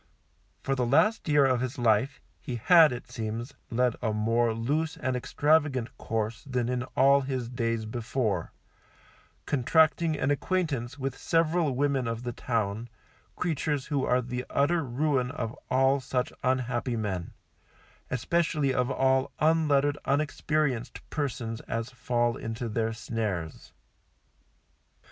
For the last year of his life, he had, it seems, led a more loose and extravagant course than in all his days before, contracting an acquaintance with several women of the town, creatures who are the utter ruin of all such unhappy men, especially of all unlettered unexperienced persons as fall into their snares.